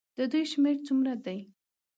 د دوی شمېر څومره دی.